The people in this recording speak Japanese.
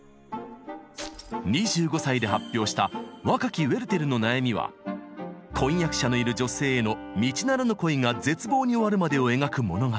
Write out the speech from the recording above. ２５歳で発表した「若きウェルテルの悩み」は婚約者のいる女性への道ならぬ恋が絶望に終わるまでを描く物語。